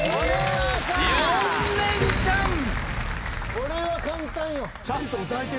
これは簡単よ。